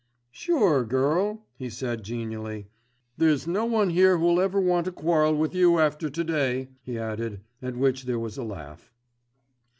"Sure, girl," he said genially. "There's no one here who'll ever want to quarrel with you after to day," he added, at which there was a laugh.